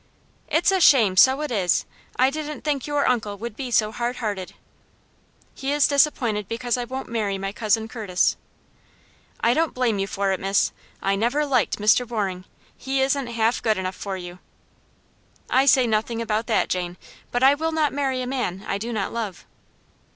"It's a shame, so it is! I didn't think your uncle would be so hard hearted." "He is disappointed because I won't marry my Cousin Curtis." "I don't blame you for it, miss. I never liked Mr. Waring. He isn't half good enough for you." "I say nothing about that, Jane; but I will not marry a man I do not love."